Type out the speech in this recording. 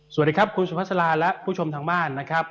สวัสดีครับคุณสุภาษาลาและผู้ชมทางบ้านนะครับ